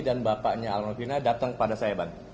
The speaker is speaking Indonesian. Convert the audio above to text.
dan bapaknya almarhum fina datang kepada saya bang